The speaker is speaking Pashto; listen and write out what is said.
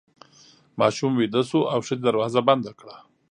ماشوم ویده شو او ښځې دروازه بنده کړه.